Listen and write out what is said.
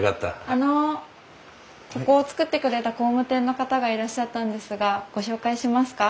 あのここを造ってくれた工務店の方がいらっしゃったんですがご紹介しますか？